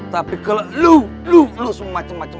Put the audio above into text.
tapi kalo lu lu lu semacam macam